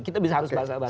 kita bisa harus bahas bahas